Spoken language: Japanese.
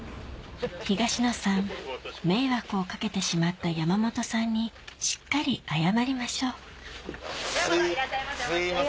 東野さん迷惑を掛けてしまった山本さんにしっかり謝りましょういらっしゃいませ。